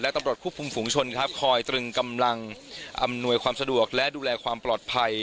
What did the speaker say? ตำรวจควบคุมฝุงชนครับคอยตรึงกำลังอำนวยความสะดวกและดูแลความปลอดภัย